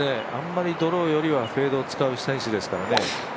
ドローよりはフェードを使う選手ですからね。